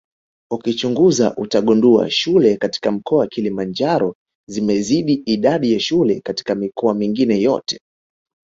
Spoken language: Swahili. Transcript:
Ukichunguza utagundua shule katika mkoa Kilimanjaro zimezidi idadi ya shule katika mikoa mingine yote